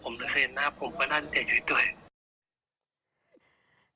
ก็เคยเห็นหน้าผมก็ได้เสียชีวิตด้วย